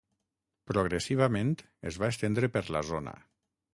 Progressivament es va estendre per la zona.